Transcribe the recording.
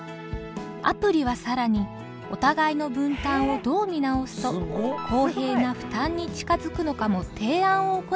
アプリは更にお互いの分担をどう見直すと公平な負担に近づくのかも提案を行ってくれるのです。